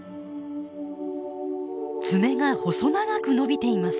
爪が細長く伸びています。